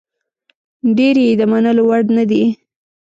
ډېرې یې د منلو وړ نه دي.